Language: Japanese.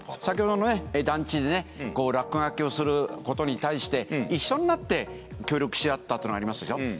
先ほどの団地で落書きをすることに対して一緒になって協力し合ったというのがありますでしょ。